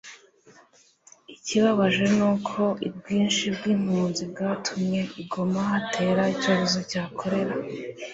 Ikibabaje ni uko ubwinshi bw impunzi bwatumye i Goma hatera icyorezo cya korera